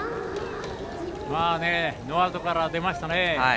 ノーアウトから出ましたね。